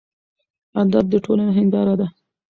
ادب د ټولنې هینداره ده.